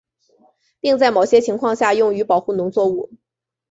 并在某些情况下用于保护农作物。